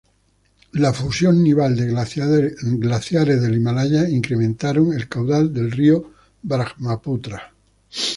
La fusión nival de glaciares del Himalaya incrementaron el caudal del Río Brahmaputra.